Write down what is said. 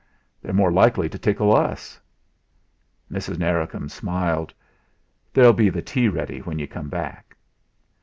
"They're more likely to tickle us!" Mrs. Narracombe smiled. "There'll be the tea ready when you come back."